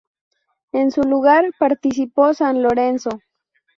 En su lugar, participó San Lorenzo.